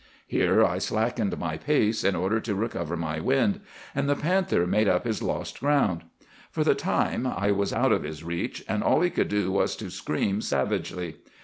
"Here I slackened my pace in order to recover my wind; and the panther made up his lost ground. For the time, I was out of his reach, and all he could do was to scream savagely.